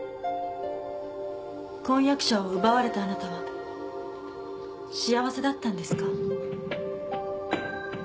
婚約者を奪われたあなたは幸せだったんですか？